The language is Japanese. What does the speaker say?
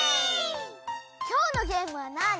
きょうのゲームはなに？